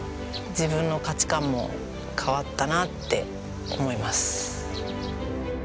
自分の価値観も変わったなって思います。